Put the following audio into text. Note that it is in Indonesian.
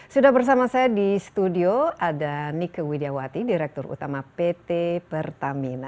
sudah bersama saya di studio ada nike widjawati direktur utama pt pertamina